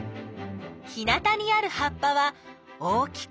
日なたにある葉っぱは大きくて長い。